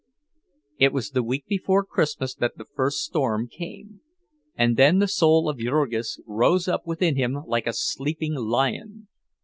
It was the week before Christmas that the first storm came, and then the soul of Jurgis rose up within him like a sleeping lion.